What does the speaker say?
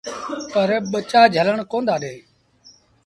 پر ٻچآ جھلڻ ڪوندآ ڏيݩ۔